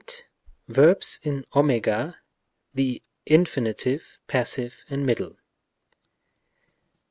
Verbs in q, in the infinitive, passive and middle.